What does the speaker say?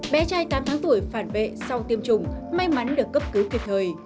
bé trai tám tháng tuổi phản vệ sau tiêm chủng may mắn được cấp cứu kịp thời